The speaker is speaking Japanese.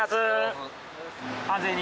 ご安全に。